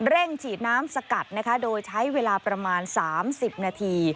เร่งฉีดน้ำสกัดนะคะโดยใช้เวลาประมาณ๓๐นาที